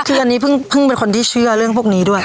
คืออันนี้เพิ่งเป็นคนที่เชื่อเรื่องพวกนี้ด้วย